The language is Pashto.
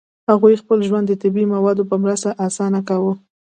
هغوی خپل ژوند د طبیعي موادو په مرسته اسانه کاوه.